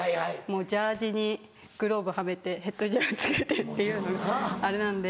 ジャージーにグローブはめてヘッドギア着けてっていうあれなんで。